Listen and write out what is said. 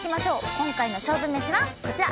今回の勝負めしはこちら。